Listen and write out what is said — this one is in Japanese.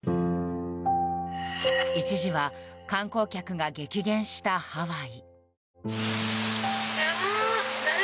一時は観光客が激減したハワイ。